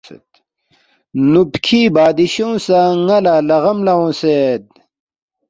نُوبکھی بادشونگ سہ ن٘ا لہ لغم لہ اونگسید